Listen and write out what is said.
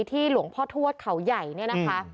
หลวงพ่อทวดเขาใหญ่เนี่ยนะคะ